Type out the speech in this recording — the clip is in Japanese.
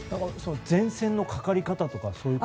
前線のかかり方とかですか。